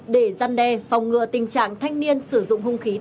để gian đe phòng ngựa tình trạng thanh niên sử dụng hung khí đánh nhau